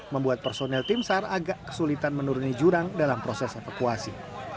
membuat personel tim sar agak kesulitan menuruni jurang dalam proses evakuasi